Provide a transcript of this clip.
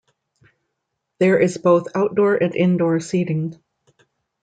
There is both outdoor and indoor seating.